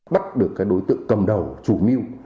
bắt được đối tượng cầm đầu chủ mưu